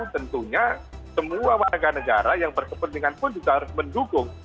tentunya semua warga negara yang berkepentingan pun juga harus mendukung